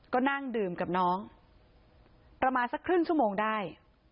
ก็นั่งดื่มกับน้องประมาณสักครึ่งชั่วโมงได้